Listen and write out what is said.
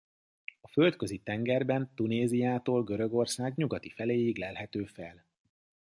A Földközi-tengerben Tunéziától Görögország nyugati feléig lelhető fel.